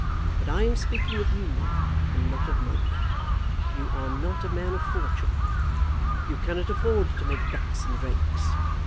But I am speaking of you now, and not of Monk. You are not a man of fortune. You cannot afford to make ducks and drakes.